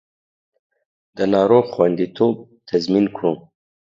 د ناروغ خوندیتوب تضمین کړو